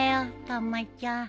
たまちゃん。